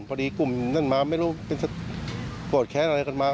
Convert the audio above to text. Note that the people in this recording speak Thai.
พอดีกลุ่มนั้นมาไม่รู้เป็นโกรธแค้นอะไรกันมา